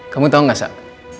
kamu tau nggak kak